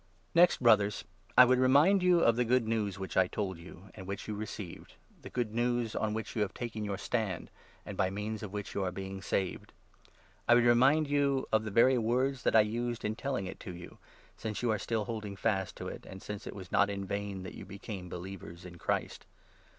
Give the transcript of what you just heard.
Next, Brothers, I would remind you of the Good News i ; which I told you, and which you received — the Good News on which you have taken your stand, and by means of which 2 you are being saved. I would remind you of the very words that I used in telling it to you, since you are still holding fast to it, and since it was not in vain that you became believers in Christ.